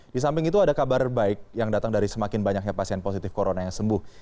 di samping itu ada kabar baik yang datang dari semakin banyaknya pasien positif corona yang sembuh